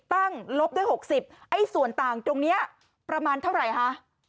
ลบได้๖๐ไอ้ส่วนต่างตรงนี้ประมาณเท่าไหร่คะ